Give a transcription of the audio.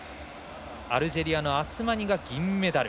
アルジェリアのアスマニが銀メダル。